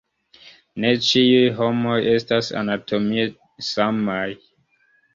Ne ĉiuj homoj estas anatomie samaj.